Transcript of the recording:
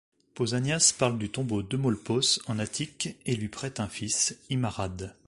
Pausanias parle du tombeau d'Eumolpos en Attique et lui prête un fils, Immarade.